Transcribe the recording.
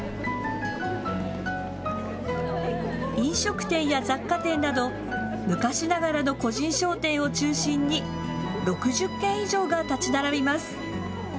飲食店や雑貨店など昔ながらの個人商店を中心に６０軒以上が建ち並びます。